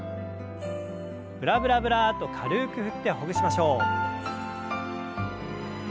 ブラブラブラッと軽く振ってほぐしましょう。